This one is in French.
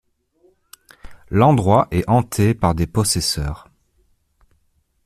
L'endroit est hanté par des possesseurs.